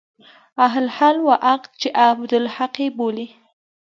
اهل حل و عقد چې عبدالحق يې بولي.